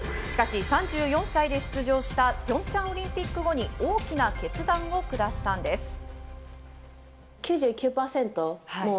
しかし、３４歳で出場したピョンチャンオリンピック後に大きな決断を下したのです。